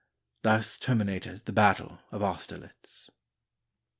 Thus terminated the battle of Austerlitz.